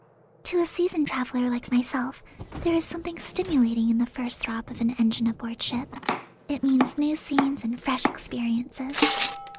To a seasoned traveller like myself there is something stimulating in the first throb of an engine aboard ship. It means new scenes and fresh experiences.